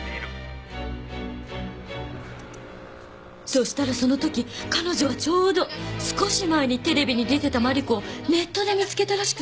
そしたらその時彼女はちょうど少し前にテレビに出てたマリコをネットで見つけたらしくて。